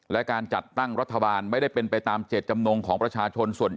และการจัดตั้งรัฐบาลไม่ได้เป็นไปตามเจ็ดจำนงของประชาชนส่วนใหญ่